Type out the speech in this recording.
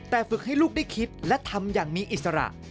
แต่ฝึกให้ลูกได้คิดและทำอย่างมีอิสระ